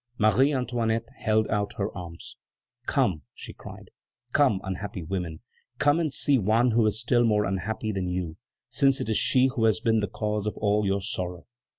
Marie Antoinette held out her arms. "Come!" she cried; "come, unhappy women! come and see one who is still more unhappy than you, since it is she who has been the cause of all your sorrow!"